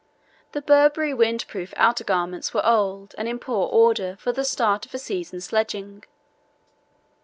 The Burberry wind proof outer garments were old and in poor order for the start of a season's sledging.